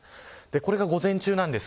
これが午前中です。